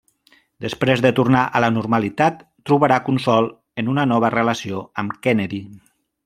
Després de tornar a la normalitat trobarà consol en una nova relació amb Kennedy.